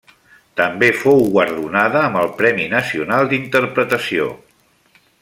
També fou guardonada amb el premi nacional d'Interpretació.